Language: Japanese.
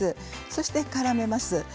そしてからめます。